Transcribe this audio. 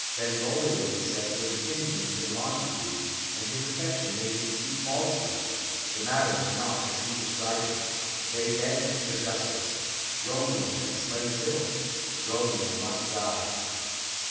Benvolio, they said, was a kinsman to the Montagues, and his affection made him speak falsely; the matter was not as he described it. They begged for justice. Romeo had slain Tybalt; Romeo must die.